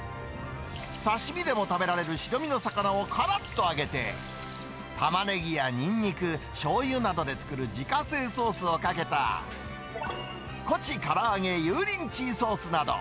刺身でも食べられる白身の魚をからっと揚げて、タマネギやニンニク、しょうゆなどで作る自家製ソースをかけた、コチから揚げ油淋鶏ソースなど。